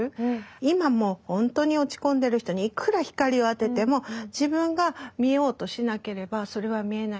今もう本当に落ち込んでる人にいくら光を当てても自分が見ようとしなければそれは見えない。